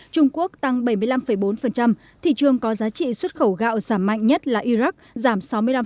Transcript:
trung quốc tăng bảy mươi năm bốn thị trường có giá trị xuất khẩu gạo giảm mạnh nhất là iraq giảm sáu mươi năm